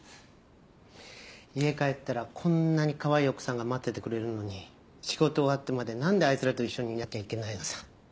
家帰ったらこんなにかわいい奥さんが待っててくれるのに仕事終わってまでなんであいつらと一緒にいなきゃいけないのさ。